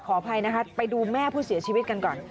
อภัยนะคะไปดูแม่ผู้เสียชีวิตกันก่อน